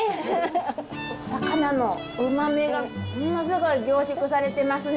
魚の旨味がものすごい凝縮されてますね。